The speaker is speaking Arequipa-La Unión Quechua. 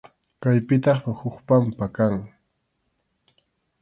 Kaypitaqmi huk pampa kan.